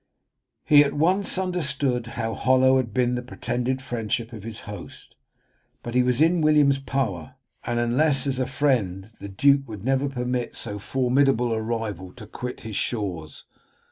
He at once understood how hollow had been the pretended friendship of his host; but he was in William's power, and unless as a friend the duke would never permit so formidable a rival to quit his shores.